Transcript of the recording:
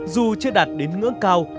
dù chưa đạt đến ngưỡng cao